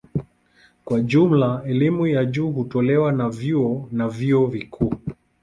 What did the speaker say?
Kwa jumla elimu ya juu hutolewa na vyuo na vyuo vikuu.